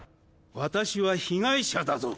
私は被害者だぞ。